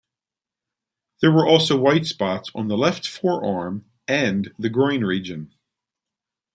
There were also white spots on the left forearm and the groin region.